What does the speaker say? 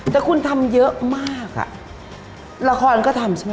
แต่คุณทำเยอะมากละคอลก็ทำตอนนี้